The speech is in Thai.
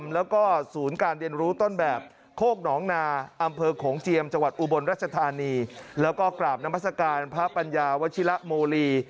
แล้วก็กราบนำบัสการพระปัญญาวชิละโมลี่